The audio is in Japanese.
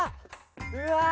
うわ！